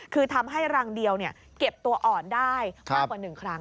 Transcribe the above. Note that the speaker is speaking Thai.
คือทำให้รังเดียวเก็บตัวอ่อนได้มากกว่า๑ครั้ง